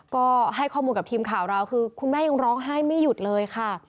ก็ให้ข้อมูลกับทีมข่าวเราคือคุณแม่ยังร้องไห้ไม่หยุดเลยค่ะ